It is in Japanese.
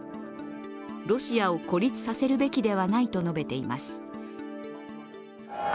ロシアを孤立させるべきではないと述べています。